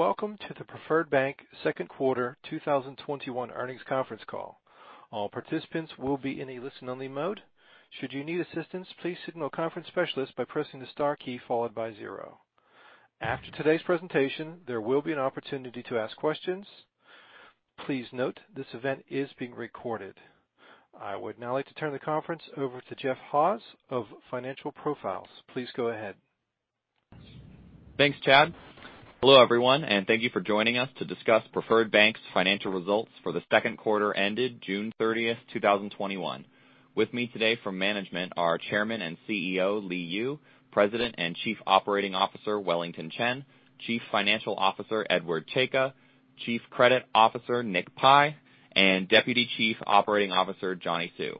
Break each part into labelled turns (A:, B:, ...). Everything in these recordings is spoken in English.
A: Welcome to the Preferred Bank second quarter 2021 earnings conference call. All participants will be in listen-only mode. Should you need assistance, please signal conference specialist by pressing the star key followed by zero. After today's presentation, there will be an opportunity to ask questions. Please note this event is being recorded. I would now like to turn the conference over to Jeff Haas of Financial Profiles. Please go ahead.
B: Thanks, Chad. Hello everyone, and thank you for joining us to discuss Preferred Bank's financial results for the second quarter ended June 30th, 2021. With me today from management are Chairman and CEO Li Yu, President and Chief Operating Officer Wellington Chen, Chief Financial Officer Edward Czajka, Chief Credit Officer Nick Pi, and Deputy Chief Operating Officer Johnny Hsu.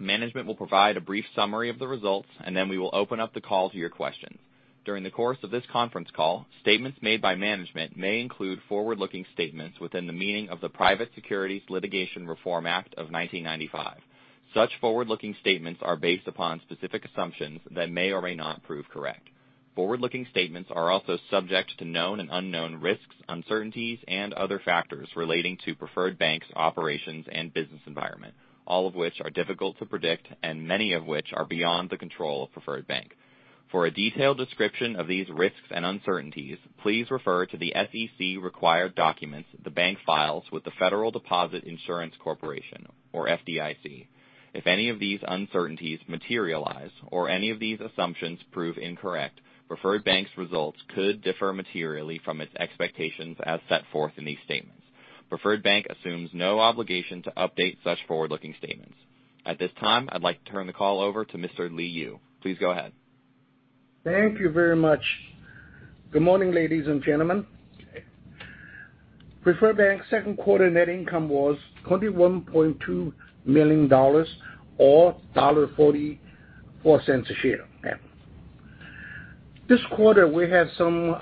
B: Management will provide a brief summary of the results, and then we will open up the call to your questions. During the course of this conference call, statements made by management may include forward-looking statements within the meaning of the Private Securities Litigation Reform Act of 1995. Such forward-looking statements are based upon specific assumptions that may or may not prove correct. Forward-looking statements are also subject to known and unknown risks, uncertainties and other factors relating to Preferred Bank's operations and business environment, all of which are difficult to predict and many of which are beyond the control of Preferred Bank. For a detailed description of these risks and uncertainties, please refer to the SEC required documents the bank files with the Federal Deposit Insurance Corporation, or FDIC. If any of these uncertainties materialize or any of these assumptions prove incorrect, Preferred Bank's results could differ materially from its expectations as set forth in these statements. Preferred Bank assumes no obligation to update such forward-looking statements. At this time, I'd like to turn the call over to Mr. Li Yu. Please go ahead.
C: Thank you very much. Good morning, ladies and gentlemen. Preferred Bank's second quarter net income was $21.2 million or $1.44 a share. This quarter we have some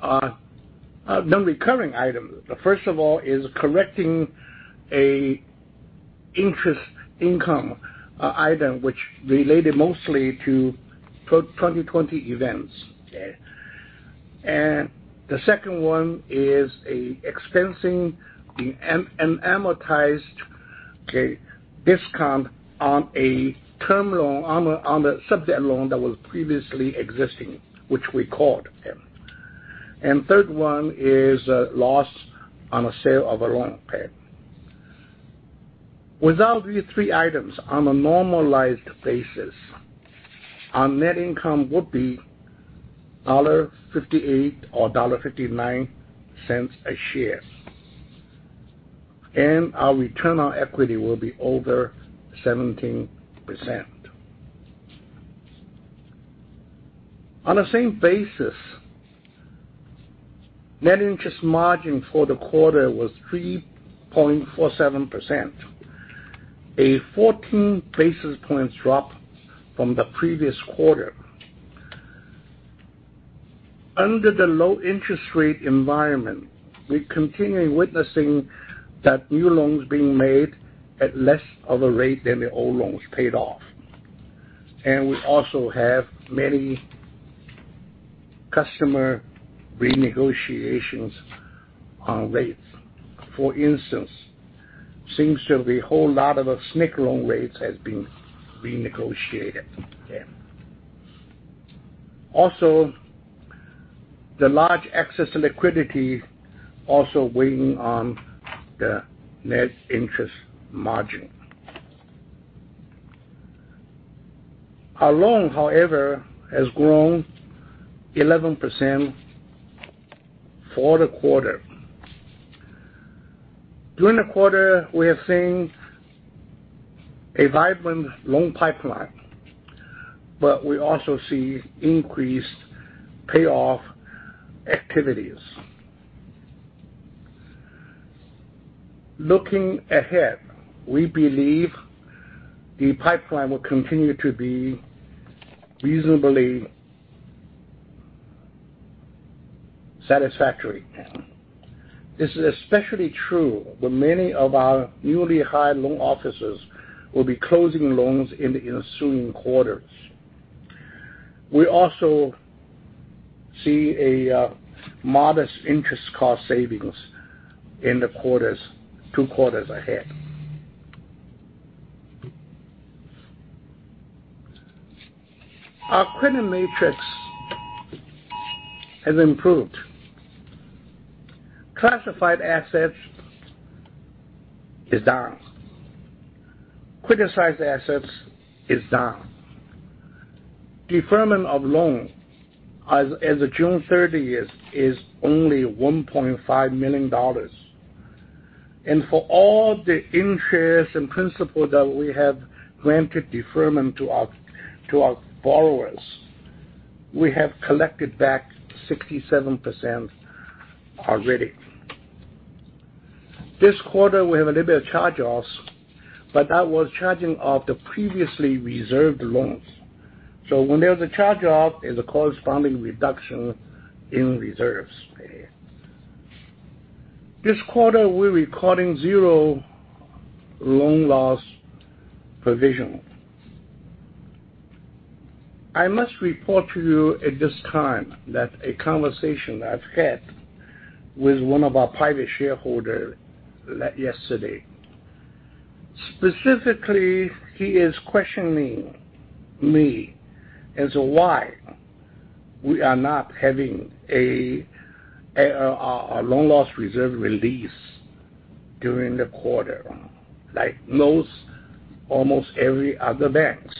C: non-recurring items. First of all is correcting a interest income item which related mostly to 2020 events. The second one is expensing the unamortized discount on a term loan on a sub-debt that was previously existing, which we called. The third one is a loss on a sale of a loan. Without these three items, on a normalized basis, our net income would be $1.58 or $1.59 a share. Our return on equity will be over 17%. On the same basis, net interest margin for the quarter was 3.47%, a 14 basis points drop from the previous quarter. Under the low interest rate environment, we continue witnessing that new loans being made at less of a rate than the old loans paid off. We also have many customer renegotiations on rates. For instance, seems to be whole lot of SNC loan rates has been renegotiated. The large excess liquidity also weighing on the net interest margin. Our loan, however, has grown 11% for the quarter. During the quarter, we are seeing a vibrant loan pipeline, but we also see increased payoff activities. Looking ahead, we believe the pipeline will continue to be reasonably satisfactory. This is especially true where many of our newly hired loan officers will be closing loans in the ensuing quarters. We also see a modest interest cost savings in the two quarters ahead. Our credit metrics has improved. Classified assets is down. Criticized assets is down. Deferment of loan as of June 30th is only $1.5 million. For all the interest and principal that we have granted deferment to our borrowers, we have collected back 67% already. This quarter, we have a little bit of charge-offs, but that was charging off the previously reserved loans. When there's a charge-off, it's a corresponding reduction in reserves. This quarter, we're recording zero loan loss provision. I must report to you at this time that a conversation I've had with one of our private shareholder yesterday, specifically, he is questioning me as to why we are not having a loan loss reserve release during the quarter, like most, almost every other banks.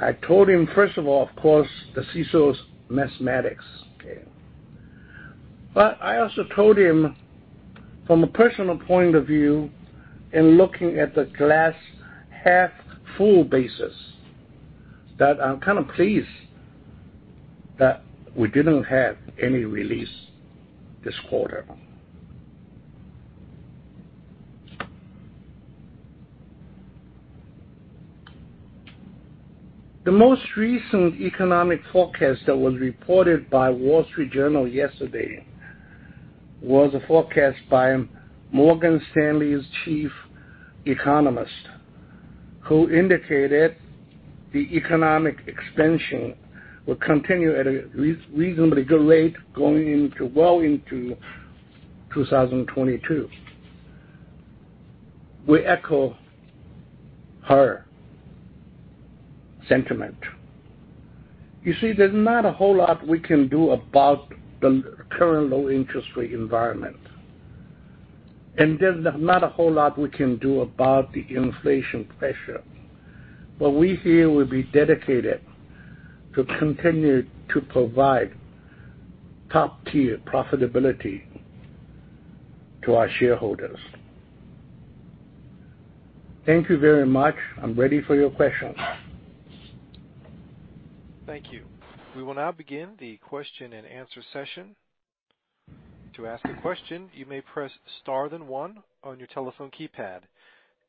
C: I told him, first of all, of course, the CECL's mathematics. I also told him from a personal point of view, in looking at the glass half full basis, that I'm kind of pleased that we didn't have any release this quarter. The most recent economic forecast that was reported by Wall Street Journal yesterday was a forecast by Morgan Stanley's Chief Economist, who indicated the economic expansion will continue at a reasonably good rate going well into 2022. We echo her sentiment. You see, there's not a whole lot we can do about the current low interest rate environment. There's not a whole lot we can do about the inflation pressure. We here will be dedicated to continue to provide top-tier profitability to our shareholders. Thank you very much. I'm ready for your questions.
A: Thank you. We will now begin the question and answer session. To ask a question, you may press star then one on your telephone keypad.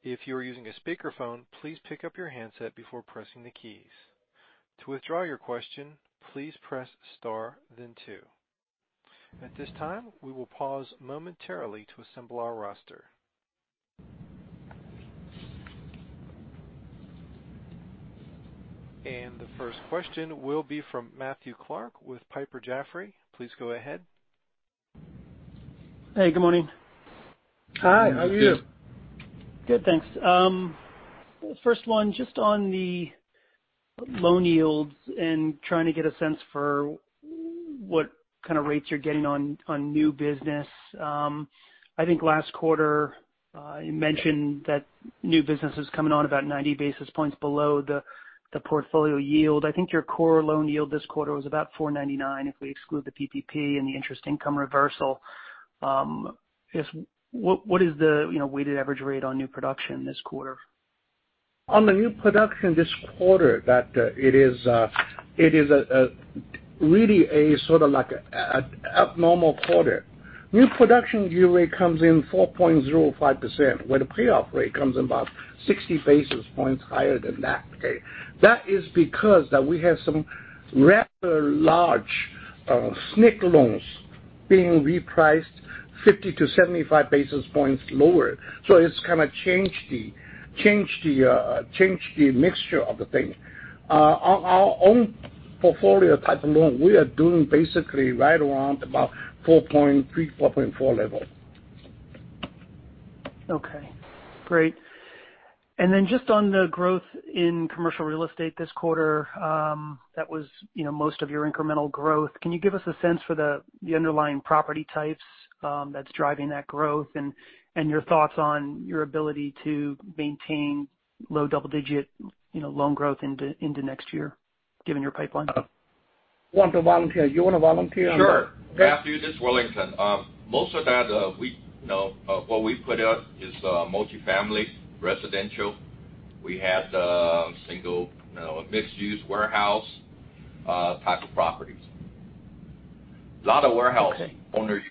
A: If you're using a speaker phone, please pick up your handset before pressing the keys. To withdraw your question, please press star then two. At this time, we will pause momentarily to assemble our roster. The first question will be from Matthew Clark with Piper Jaffray. Please go ahead.
D: Hey, good morning.
C: Hi, how are you?
D: Good, thanks. First one, just on the loan yields and trying to get a sense for what kind of rates you're getting on new business. I think last quarter, you mentioned that new business is coming on about 90 basis points below the portfolio yield. I think your core loan yield this quarter was about [4.99%], if we exclude the PPP and the interest income reversal. Just what is the weighted average rate on new production this quarter?
C: On the new production this quarter, it is really a sort of like an abnormal quarter. New production usually comes in 4.05%, where the payoff rate comes in about 60 basis points higher than that. That is because that we have some rather large SNC loans being repriced 50 to 75 basis points lower. It's kind of changed the mixture of the thing. Our own portfolio type of loan, we are doing basically right around about 4.3%, 4.4% level.
D: Okay, great. Just on the growth in commercial real estate this quarter, that was most of your incremental growth. Can you give us a sense for the underlying property types that's driving that growth and your thoughts on your ability to maintain low double-digit loan growth into next year, given your pipeline?
C: Who want to volunteer? You want to volunteer on that?
E: Sure. Matthew, this is Wellington. Most of that, what we put out is multifamily, residential. We have the single, mixed-use warehouse type of properties. Lot of warehouse owners.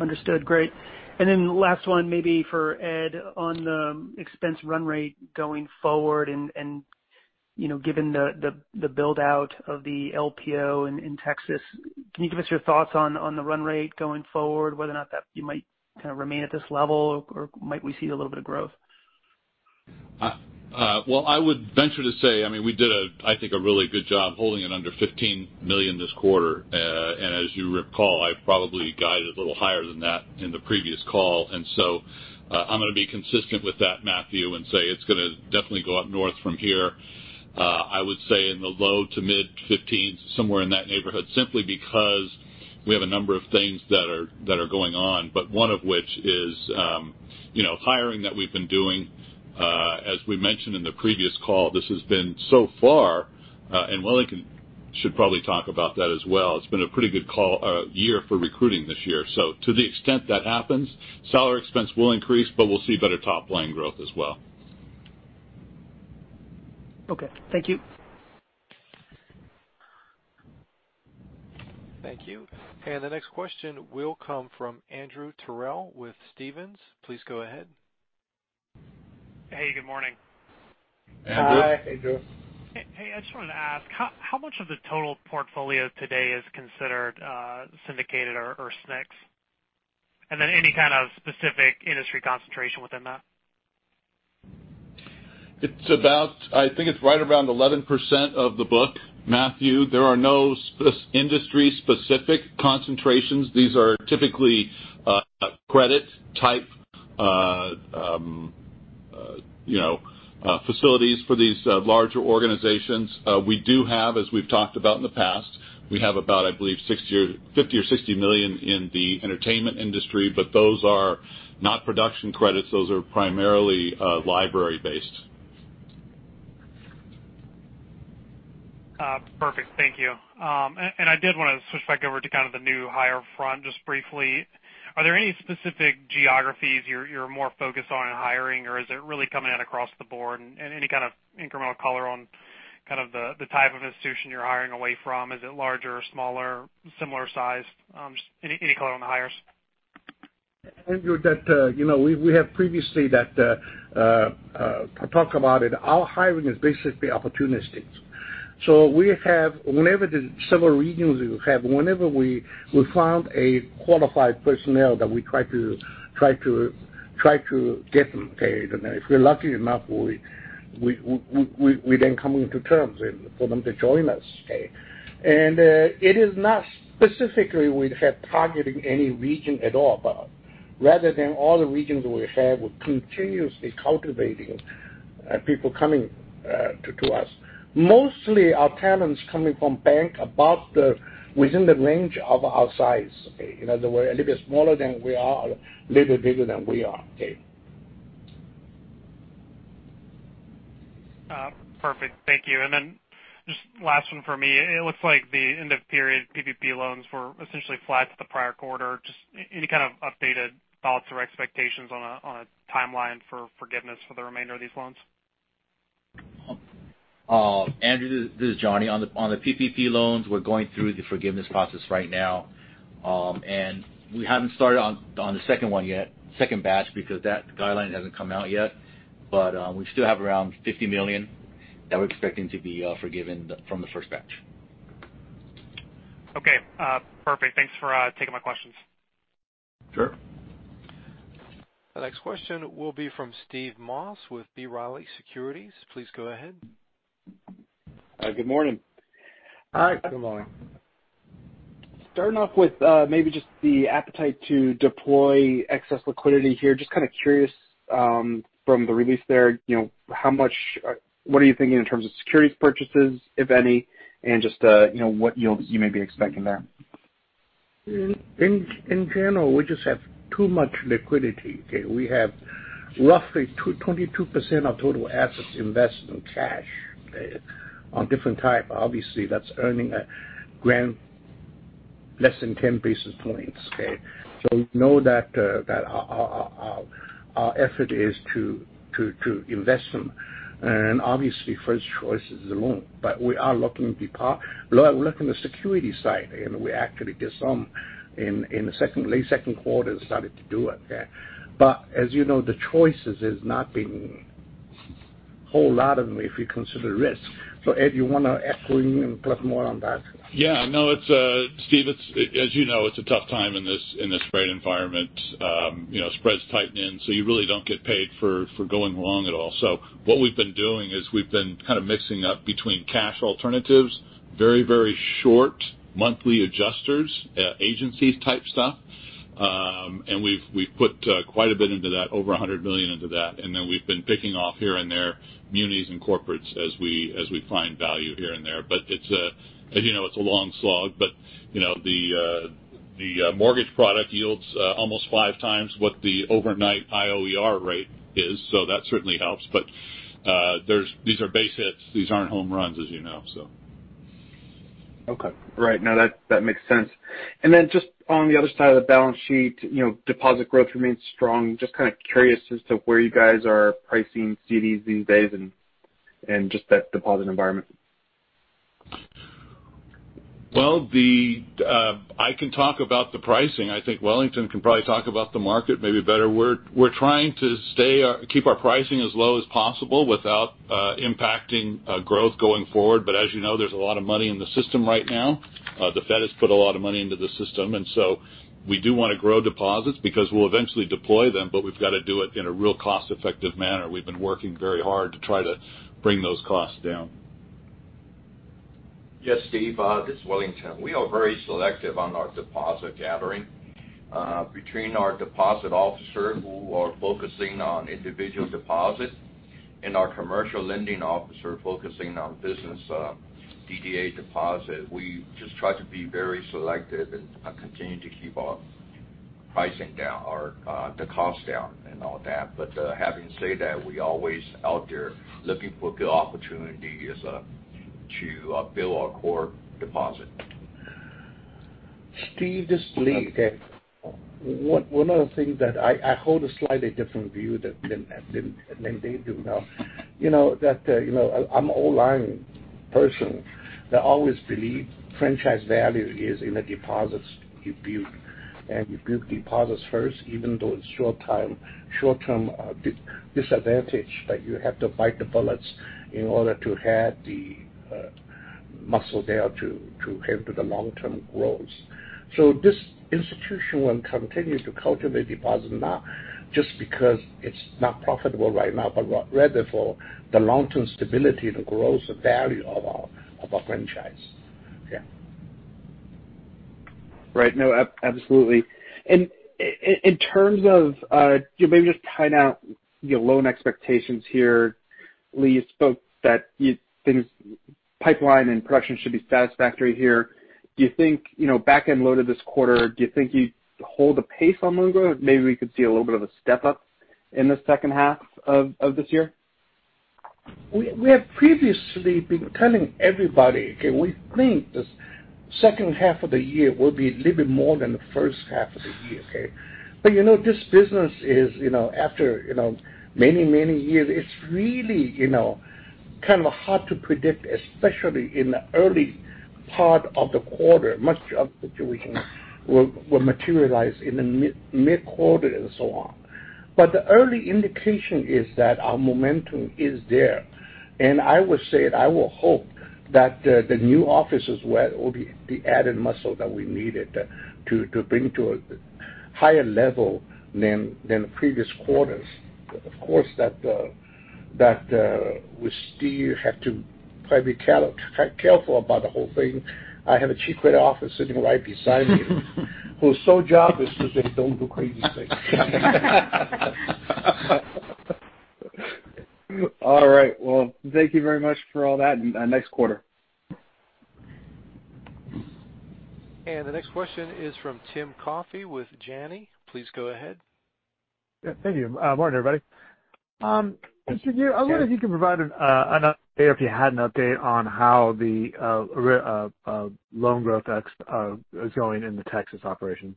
D: Understood, great. The last one maybe for Ed on the expense run rate going forward and given the build-out of the LPO in Texas, can you give us your thoughts on the run rate going forward, whether or not that you might kind of remain at this level or might we see a little bit of growth?
F: Well, I would venture to say, we did, I think, a really good job holding it under $15 million this quarter. As you recall, I probably guided a little higher than that in the previous call. I'm going to be consistent with that, Matthew, and say it's going to definitely go up north from here. I would say in the low to mid 15s, somewhere in that neighborhood, simply because we have a number of things that are going on. One of which is hiring that we've been doing. As we mentioned in the previous call, this has been so far, and Wellington should probably talk about that as well. It's been a pretty good year for recruiting this year. To the extent that happens, salary expense will increase, but we'll see better top line growth as well.
D: Okay. Thank you.
A: Thank you. The next question will come from Andrew Terrell with Stephens. Please go ahead.
G: Hey, good morning.
C: Hi, Andrew.
G: Hey, I just wanted to ask, how much of the total portfolio today is considered syndicated or SNCs? Then any kind of specific industry concentration within that?
F: It's about, I think it's right around 11% of the book, Matthew. There are no industry specific concentrations. These are typically credit type facilities for these larger organizations. We do have, as we've talked about in the past, we have about, I believe, $50 million or $60 million in the entertainment industry, but those are not production credits. Those are primarily library based.
G: Perfect. Thank you. I did want to switch back over to kind of the new hire front, just briefly. Are there any specific geographies you're more focused on in hiring, or is it really coming out across the board? Any kind of incremental color on the type of institution you're hiring away from? Is it larger or smaller, similar size? Just any color on the hires.
C: Andrew, we have previously talked about it. Our hiring is basically opportunistic. We have, whenever the several regions we have, whenever we found a qualified personnel that we try to get them, okay. If we're lucky enough, we then come into terms for them to join us. Okay. It is not specifically we have targeting any region at all, but rather than all the regions we have, we continuously cultivating people coming to us. Mostly our talents coming from bank about within the range of our size. Okay. In other words, a little bit smaller than we are, a little bigger than we are.
G: Perfect. Thank you. Just last one from me. It looks like the end of period PPP loans were essentially flat to the prior quarter. Just any kind of updated thoughts or expectations on a timeline for forgiveness for the remainder of these loans?
H: Andrew, this is Johnny. On the PPP loans, we're going through the forgiveness process right now. We haven't started on the second one yet, second batch, because that guideline hasn't come out yet. We still have around $50 million that we're expecting to be forgiven from the first batch.
G: Okay. Perfect. Thanks for taking my questions.
A: The next question will be from Steve Moss with B. Riley Securities. Please go ahead.
I: Good morning.
C: Hi, good morning.
I: Starting off with maybe just the appetite to deploy excess liquidity here. Just kind of curious from the release there, what are you thinking in terms of securities purchases, if any, and just what yields you may be expecting there?
C: In general, we just have too much liquidity. Okay. We have roughly 22% of total assets invested in cash on different type. Obviously, that's earning a grand less than 10 basis points. Okay. You know that our effort is to invest them, and obviously 1st choice is the loan. We are looking at the security side, and we actually did some in the late second quarter, started to do it. As you know, the choices has not been whole lot of them if you consider risk. Ed, you want to add in and put more on that?
F: Yeah. No, Steve, as you know, it's a tough time in this rate environment. Spreads tighten in, you really don't get paid for going long at all. What we've been doing is we've been kind of mixing up between cash alternatives, very short monthly adjusters, agencies type stuff. We've put quite a bit into that, over $100 million into that. Then we've been picking off here and there munis and corporates as we find value here and there. As you know, it's a long slog. The mortgage product yields almost 5x what the overnight IOER rate is, so that certainly helps. These are base hits. These aren't home runs, as you know.
I: Okay. Right. No, that makes sense. Just on the other side of the balance sheet, deposit growth remains strong. Just kind of curious as to where you guys are pricing CDs these days and just that deposit environment.
F: Well, I can talk about the pricing. I think Wellington can probably talk about the market maybe better. We're trying to keep our pricing as low as possible without impacting growth going forward. As you know, there's a lot of money in the system right now. The Fed has put a lot of money into the system, and so we do want to grow deposits because we'll eventually deploy them, but we've got to do it in a real cost-effective manner. We've been working very hard to try to bring those costs down.
E: Yes, Steve, this is Wellington. We are very selective on our deposit gathering. Between our Deposit Officer who are focusing on individual deposit and our Commercial Lending Officer focusing on business DDA deposit. We just try to be very selective and continue to keep our pricing down or the cost down and all that. Having said that, we always out there looking for good opportunities to build our core deposit.
C: Steve, this is Li. One of the things that I hold a slightly different view than they do now. I'm old person that always believe franchise value is in the deposits you build, and you build deposits first, even though it's short-term disadvantage that you have to bite the bullets in order to have the muscle there to help with the long-term growth. This institution will continue to cultivate deposits not just because it's not profitable right now, but rather for the long-term stability and the growth, the value of our franchise. Yeah.
I: Right. No, absolutely. In terms of maybe just tying out your loan expectations here, Li spoke that things, pipeline and production should be satisfactory here. Do you think back-end loaded this quarter, do you think you hold the pace on loan growth? Maybe we could see a little bit of a step up in the second half of this year.
C: We have previously been telling everybody, okay, we think this second half of the year will be a little bit more than the first half of the year. Okay? This business is after many years, it's really kind of hard to predict, especially in the early part of the quarter. Much of the situation will materialize in the mid-quarter and so on. The early indication is that our momentum is there, and I will say it, I will hope that the new officers will be the added muscle that we needed to bring to a higher level than the previous quarters. Of course, that we still have to probably be careful about the whole thing. I have a chief credit officer sitting right beside me. Who's sole job is that they don't do crazy things.
I: All right. Well, thank you very much for all that. Next quarter.
A: The next question is from Tim Coffey with Janney. Please go ahead.
J: Yeah, thank you. Morning, everybody. Mr. Yu, I wonder if you can provide an update, or if you had an update on how the loan growth is going in the Texas operation?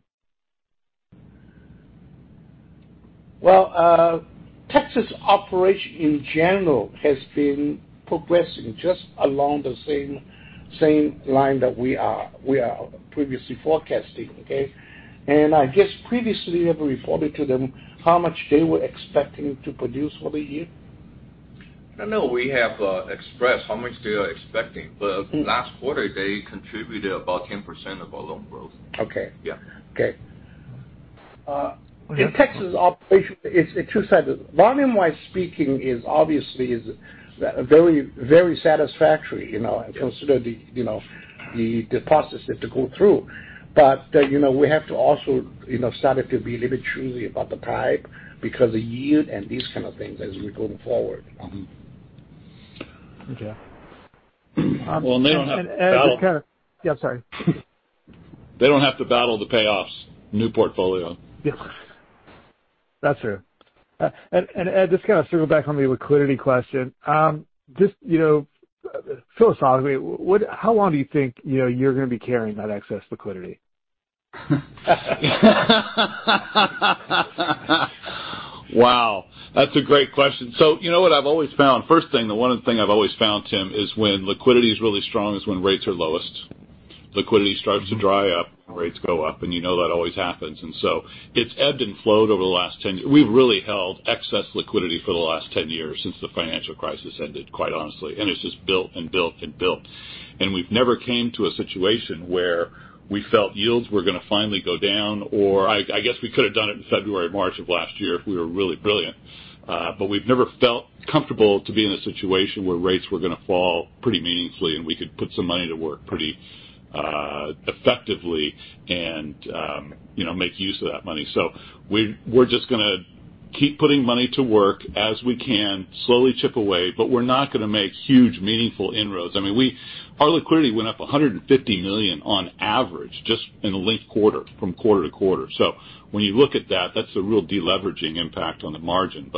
C: Well, Texas operation in general has been progressing just along the same line that we are previously forecasting. Okay? I guess previously we have reported to them how much they were expecting to produce for the year.
E: We have expressed how much they are expecting, but last quarter, they contributed about 10% of our loan growth.
C: Okay. In Texas operation, it's two-sided. Volume-wise speaking is obviously very satisfactory considering the processes to go through. We have to also started to be a little bit choosy about the pipe because of yield and these kind of things as we're going forward.
J: Ed, just kind of... Yeah, sorry.
F: They don't have to battle the payoffs. New portfolio.
J: Yeah. That's true. Ed, just kind of circle back on the liquidity question. Just philosophically, how long do you think you're going to be carrying that excess liquidity?
F: Wow. That's a great question. You know what I've always found? First thing, the one thing I've always found, Tim, is when liquidity is really strong is when rates are lowest. Liquidity starts to dry up, rates go up, and you know that always happens. It's ebbed and flowed over the last 10 years. We've really held excess liquidity for the last 10 years since the financial crisis ended, quite honestly. It's just built and built. We've never came to a situation where we felt yields were going to finally go down, or I guess we could have done it in February, March of last year if we were really brilliant. We've never felt comfortable to be in a situation where rates were going to fall pretty meaningfully and we could put some money to work pretty effectively and make use of that money. We're just going to keep putting money to work as we can, slowly chip away, but we're not going to make huge, meaningful inroads. I mean, our liquidity went up $150 million on average just in a linked quarter from quarter to quarter. When you look at that's a real de-leveraging impact on the margin.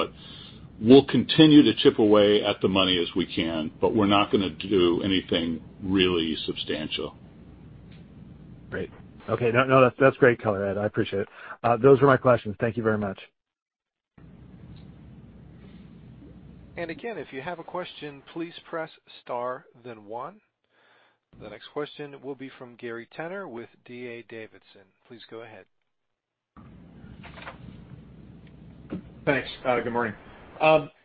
F: We'll continue to chip away at the money as we can, but we're not going to do anything really substantial.
J: Great. Okay. No, that's great color, Ed. I appreciate it. Those were my questions. Thank you very much.
A: Again, if you have a question, please press star then one. The next question will be from Gary Tenner with D.A. Davidson. Please go ahead.
K: Thanks. Good morning.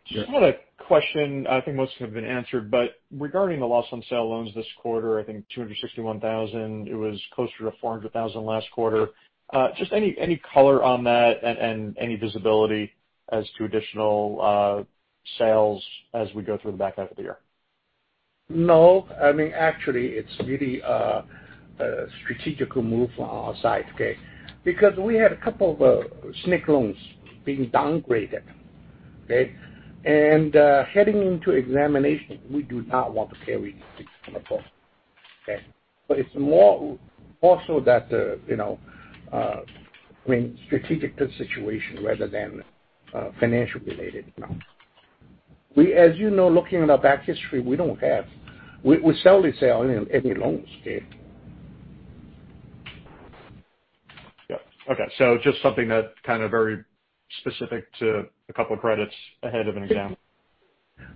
K: Just had a question, I think most have been answered, but regarding the loss on sale loans this quarter, I think [$261,000]. It was closer to [$400,000] last quarter. Just any color on that and any visibility as to additional sales as we go through the back half of the year?
C: No. Actually it's really a strategic move on our side. Okay. We had a couple of SNC loans being downgraded. Okay. Heading into examination, we do not want to carry these kinds of loans. Okay. It's more also that strategic situation rather than financial related amount. As you know, looking at our back history, we sell these out in a long scale.
K: Yeah. Okay, just something that kind of very specific to a couple of credits ahead of an exam.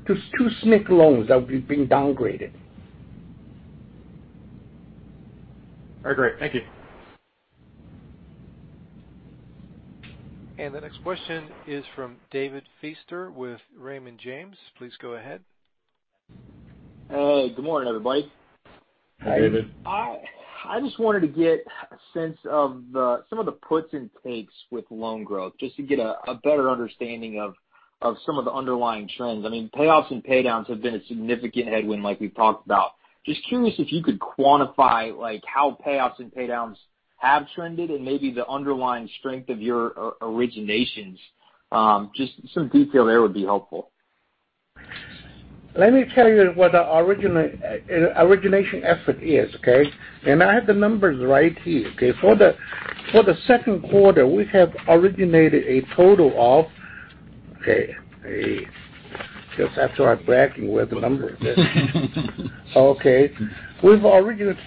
C: Just two SNC loans that we've been downgraded.
K: All right, great. Thank you.
A: The next question is from David Feaster with Raymond James. Please go ahead.
L: Hey, good morning, everybody.
C: Hi, David.
L: I just wanted to get a sense of some of the puts and takes with loan growth, just to get a better understanding of some of the underlying trends. Payoffs and pay downs have been a significant headwind like we've talked about. Just curious if you could quantify how payoffs and pay downs have trended and maybe the underlying strength of your originations. Just some detail there would be helpful.
C: Let me tell you what our origination effort is. I have the numbers right here. For the second quarter, we've originated a total of... Just after our bragging, where the number is. We've originated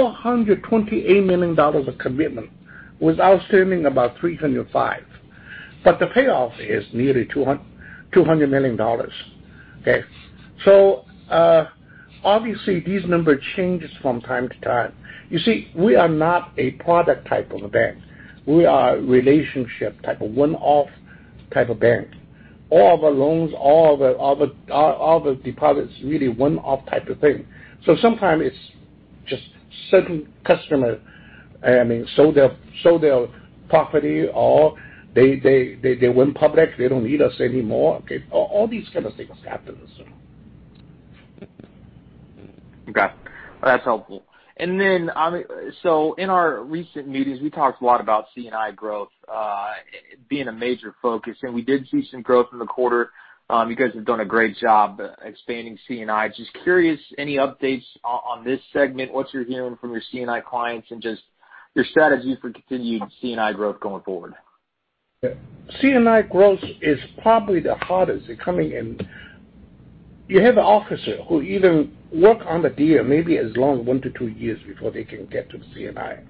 C: $428 million of commitment, with outstanding about $305 million. The payoff is nearly $200 million. Obviously, these number changes from time to time. You see, we are not a product type of a bank. We are relationship type of one-off type of bank. All of our loans, all of the deposits, really one-off type of thing. Sometime it's just certain customer, sold their property or they went public, they don't need us anymore. All these kind of things happens.
L: Okay. That's helpful. In our recent meetings, we talked a lot about C&I growth being a major focus, and we did see some growth in the quarter. You guys have done a great job expanding C&I. Just curious, any updates on this segment, what you're hearing from your C&I clients, and just your strategy for continued C&I growth going forward?
C: C&I growth is probably the hardest coming in. You have an officer who even work on the deal maybe as long 1 to 2 years before they can get to the C&I,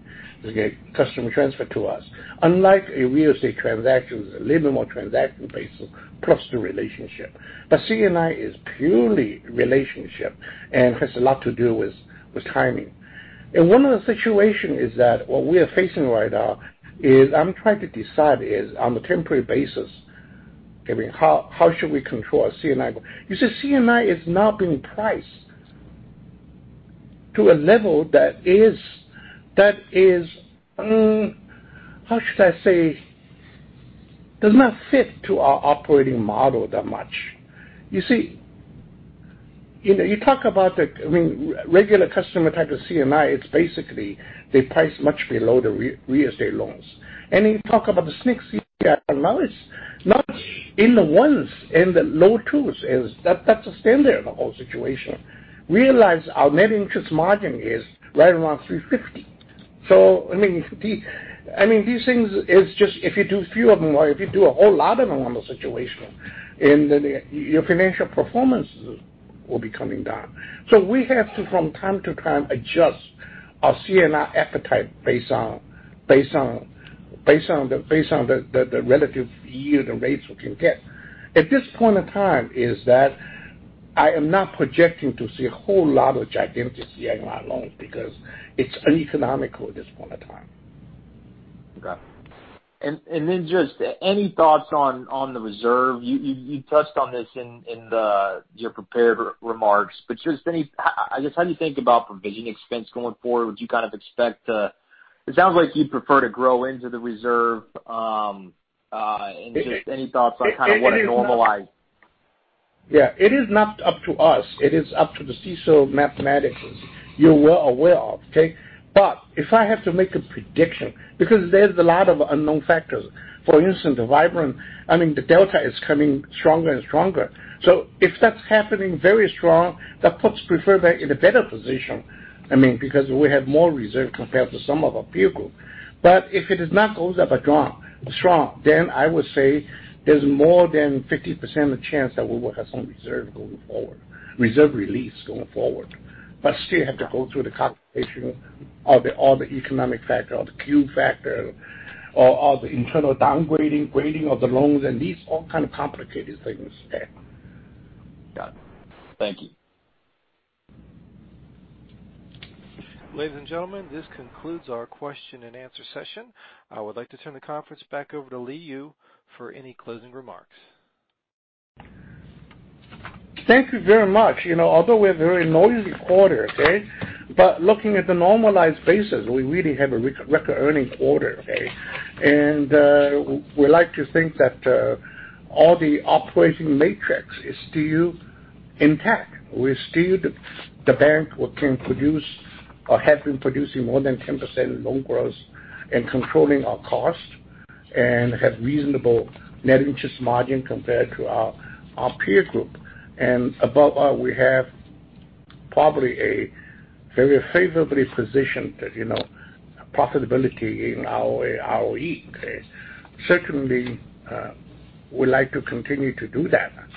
C: customer transfer to us. Unlike a real estate transaction, is a little more transaction-based plus the relationship. C&I is purely relationship and has a lot to do with timing. One of the situation is that what we are facing right now is I'm trying to decide is, on a temporary basis, how should we control our C&I? You see, C&I is now being priced to a level that is, how should I say? Does not fit to our operating model that much. You talk about the regular customer type of C&I, it's basically they price much below the real estate loans. You talk about the C&I loans, not in the ones, in the low twos. That's the standard of the whole situation. Realize our net interest margin is right around 350. These things is just if you do few of them or if you do a whole lot of them on the situation, and then your financial performances will be coming down. We have to, from time to time, adjust our C&I appetite based on the relative yield and rates we can get. At this point of time is that I am not projecting to see a whole lot of gigantic C&I loans because it's uneconomical at this point of time.
L: Okay. Then just any thoughts on the reserve? You touched on this in your prepared remarks, how do you think about provision expense going forward? Would you kind of expect It sounds like you'd prefer to grow into the reserve. Just any thoughts on kind of what a normalized-
C: Yeah, it is not up to us. It is up to the CECL mathematics. You're well aware of, okay? If I have to make a prediction, because there's a lot of unknown factors. For instance, the Delta is coming stronger and stronger. If that's happening very strong, that puts Preferred Bank in a better position. We have more reserve compared to some of our peer group. If it is not goes up strong, I would say there's more than 50% chance that we will have some reserve going forward, reserve release going forward. Still have to go through the calculation of all the economic factor, all the Q factor, all the internal downgrading, grading of the loans, these all kind of complicated things there.
L: Got it. Thank you.
A: Ladies and gentlemen, this concludes our question and answer session. I would like to turn the conference back over to Li Yu for any closing remarks.
C: Thank you very much. Although we had very noisy quarter. Okay. Looking at the normalized basis, we really have a record earning quarter. Okay. We like to think that all the operating metrics is still intact. We're still the bank who can produce or have been producing more than 10% loan growth and controlling our cost and have reasonable net interest margin compared to our peer group. Above all, we have probably a very favorably positioned profitability in our ROE. Okay. Certainly, we like to continue to do that.